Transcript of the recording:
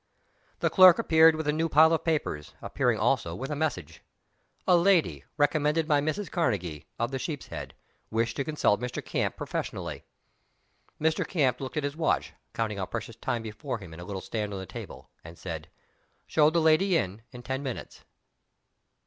The clerk appearing with a new pile of papers, appeared also with a message. A lady, recommended by Mrs. Karnegie, of the Sheep's Head, wished to consult Mr. Camp professionally. Mr. Camp looked at his watch, counting out precious time before him, in a little stand on the table, and said, "Show the lady in, in ten minutes."